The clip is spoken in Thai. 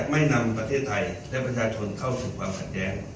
ภาคจะไม่นำประเทศไทยและประชาชนเข้าถึงความแข็งแกน